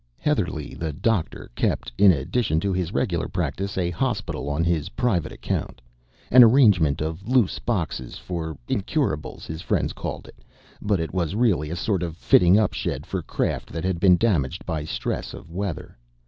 Heatherlegh, the Doctor, kept, in addition to his regular practice, a hospital on his private account an arrangement of loose boxes for Incurables, his friend called it but it was really a sort of fitting up shed for craft that had been damaged by stress of weather.